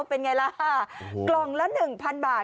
เป็นไงล่ะกล่องละ๑๐๐บาท